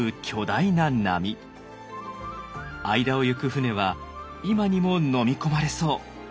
間を行く舟は今にものみ込まれそう。